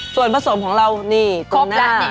ส่วนผสมของเรานี่ตรงหน้า